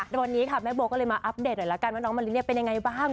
วันนี้ค่ะแม่โบก็เลยมาอัปเดตหน่อยละกันว่าน้องมะลิเป็นยังไงบ้าง